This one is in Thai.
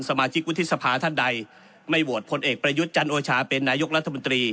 สมาชิกวุฒิสภาท่านใดไม่โหวตพลเอกประยุทธ์จันโอชาเป็นนายกรัฐมนตรี